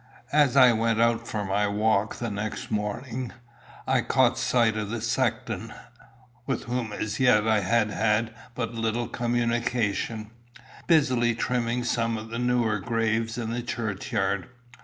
As I went out for my walk the next morning, I caught sight of the sexton, with whom as yet I had had but little communication, busily trimming some of the newer graves in the churchyard.